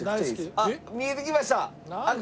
あっ見えてきました。